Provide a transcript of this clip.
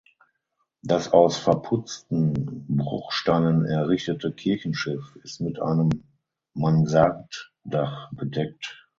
Das aus verputzten Bruchsteinen errichtete Kirchenschiff ist mit einem Mansarddach bedeckt.